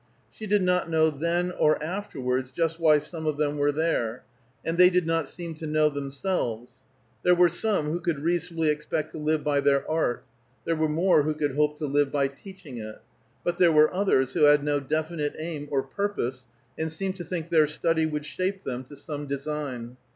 She did not know then or afterwards just why some of them were there, and they did not seem to know themselves. There were some who could reasonably expect to live by their art; there were more who could hope to live by teaching it. But there were others who had no definite aim or purpose, and seemed to think their study would shape them to some design.